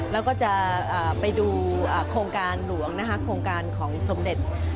แล้วก็จะไปดูโครงการหลวงนะคะโครงการของสมเด็จ